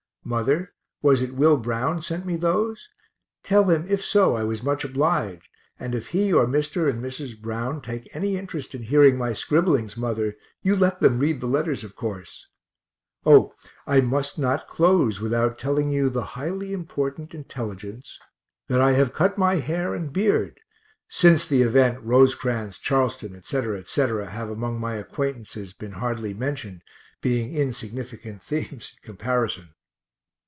Mother, was it Will Brown sent me those? Tell him if so I was much obliged; and if he or Mr. and Mrs. Brown take any interest in hearing my scribblings, mother, you let them read the letters, of course. O, I must not close without telling you the highly important intelligence that I have cut my hair and beard since the event Rosecrans, Charleston, etc., etc., have among my acquaintances been hardly mentioned, being insignificant themes in comparison.